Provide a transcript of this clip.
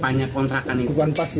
ternyata tersangka berusaha melarikan diri